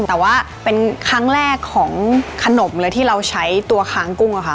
แต่ว่าเป็นครั้งแรกของขนมเลยที่เราใช้ตัวค้างกุ้งอะค่ะ